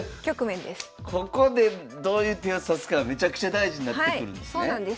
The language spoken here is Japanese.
ここでどういう手を指すかめちゃくちゃ大事になってくるんですね。